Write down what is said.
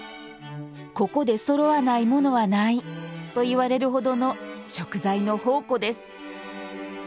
「ここでそろわないものはない」と言われるほどの食材の宝庫です。